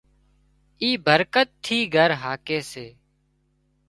اي برڪت ٿِي گھر هاڪي سي